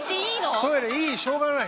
トイレいいしょうがない。